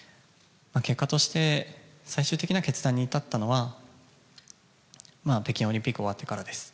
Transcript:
結果として、最終的な決断に至ったのは、北京オリンピック終わってからです。